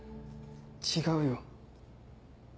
違うよ。